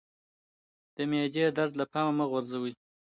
د معدې درد له پامه مه غورځوه